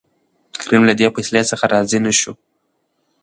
کريم له دې فيصلې څخه راضي نه شو.